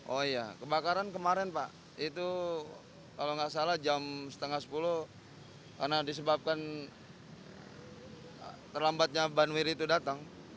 oh iya kebakaran kemarin pak itu kalau nggak salah jam setengah sepuluh karena disebabkan terlambatnya banwiri itu datang